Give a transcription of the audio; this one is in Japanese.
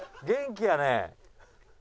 元気やね。